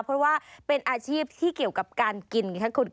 เพราะว่าเป็นอาชีพที่เกี่ยวกับการกิน